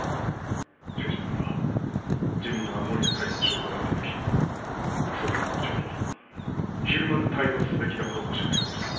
しかしながら自分が守谷逮捕の証拠を挙げたとき副総監も部長もひるまず逮捕すべきだとおっしゃってくれました。